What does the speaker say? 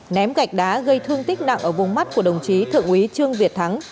ném gạch đá gây thương tích nặng ở vùng mắt của đồng chí thượng úy trương việt thắng